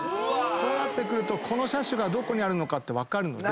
そうなるとこの車種がどこにあるかって分かるので。